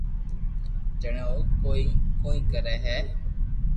جڻي او ڪوئي ڪوئي ڪري ھي